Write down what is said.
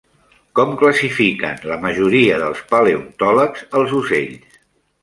Com classifiquen la majoria dels paleontòlegs els ocells?